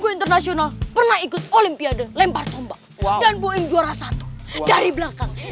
international pernah ikut olimpiade lempar sombak dan buim juara satu dari belakang